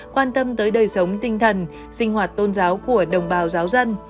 quan tâm tới đời sống tinh thần sinh hoạt tôn giáo của đồng bào giáo dân